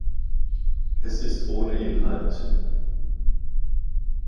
Es ist ohne Inhalt.